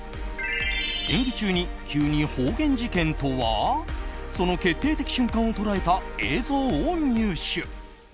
演技中に急に方言事件とは？その決定的瞬間を捉えた映像を入手。